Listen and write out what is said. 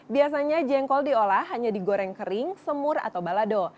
biasanya jengkol diolah hanya digoreng kering semur atau balado